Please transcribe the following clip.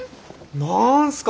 何すか？